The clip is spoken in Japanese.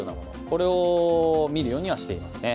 これを見るようにはしていますね。